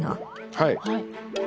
はい。